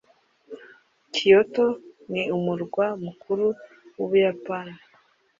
kyoto ni umurwa mukuru w'ubuyapani